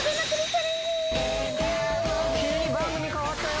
急に番組変わったよ。